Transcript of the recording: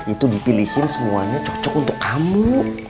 itu dipilihin semuanya cocok untuk kamu